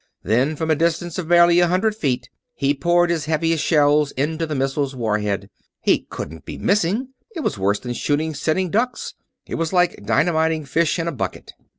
Then, from a distance of barely a hundred feet, he poured his heaviest shells into the missile's war head. He couldn't be missing! It was worse than shooting sitting ducks it was like dynamiting fish in a bucket!